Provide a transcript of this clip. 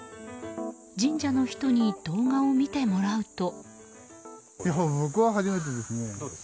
神社の人に動画を見てもらうと。